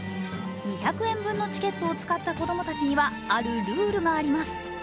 ２００円分のチケットを使った子供たちには、あるルールがあります。